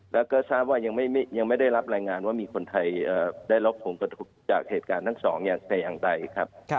แล้วก็ซาร์ฟว่ายังไม่ได้รับรายงานว่ามีคนไทยได้รับผลกระทุกข์จากเหตุการณ์ทั้ง๒อย่างไทยทางไทยครับ